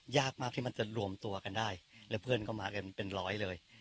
ยากมากที่มันจะรวมตัวกันได้และเพื่อนก็มากันเป็นร้อยเลย